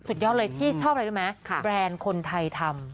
ยอดเลยที่ชอบอะไรรู้ไหมแบรนด์คนไทยทำ